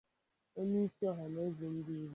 Onyeisi Ọhaneze Ndị Igbo